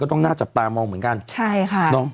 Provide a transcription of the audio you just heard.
ต้องน่าจับตามองเหมือนกันใช่ค่ะเนอะ